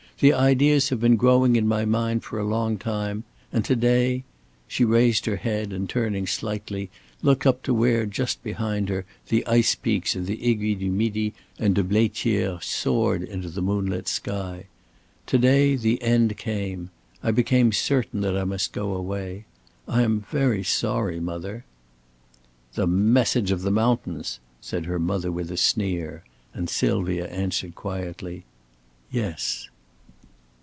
The ideas have been growing in my mind for a long time, and to day " She raised her head, and turning slightly, looked up to where just behind her the ice peaks of the Aiguilles du Midi and de Blaitière soared into the moonlit sky. "To day the end came. I became certain that I must go away. I am very sorry, mother." "The message of the mountains!" said her mother with a sneer, and Sylvia answered quietly: "Yes."